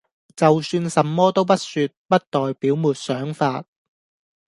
就算什麼都不說，不代表沒想法